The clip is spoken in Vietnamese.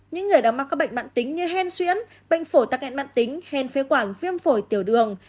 những người đang mắc các bệnh mạng tính như hen xuyễn bệnh phổi tăng nguy cơ mạng tính hen phế quản viêm phổi tiểu đường